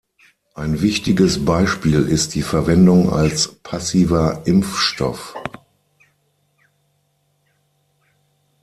Ein wichtiges Beispiel ist die Verwendung als passiver Impfstoff.